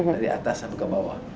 dari atas sampai ke bawah